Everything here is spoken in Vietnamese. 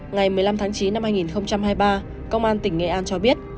ngày một mươi năm tháng chín năm hai nghìn hai mươi ba công an tỉnh nghệ an cho biết